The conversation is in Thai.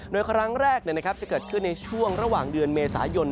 โดยครั้งแรกจะเกิดขึ้นในช่วงระหว่างเดือนเมษายน